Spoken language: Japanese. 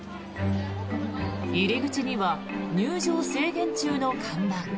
入り口には入場制限中の看板。